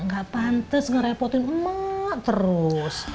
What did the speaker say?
gak pantes ngerepotin emak terus